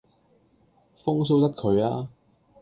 風騷得佢吖